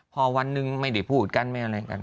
พอวันหนึ่งไม่ได้พูดกันไม่อะไรกัน